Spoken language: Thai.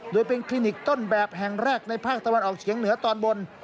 โดยเป็นคลินิกต้นแบบแห่งแรกในภาคตะวันออกเฉียงเหนือตอนบน